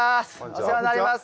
お世話になります。